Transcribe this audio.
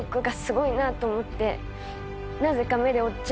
なぜか。